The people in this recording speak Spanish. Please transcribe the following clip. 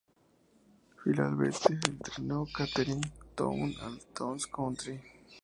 Finalmente, entrenó al Kettering Town y al Notts Country.